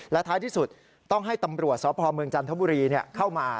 และท้ายที่สุดต้องให้ตำรวจสพเมืองจันทบุรีเข้ามา